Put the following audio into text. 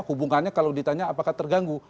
hubungannya kalau ditanya apakah terganggu